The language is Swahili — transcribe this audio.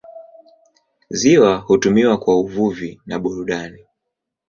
Ziwa hutumiwa kwa uvuvi na burudani.